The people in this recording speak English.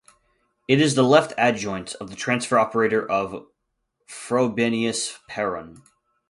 It is the left-adjoint of the transfer operator of Frobenius-Perron.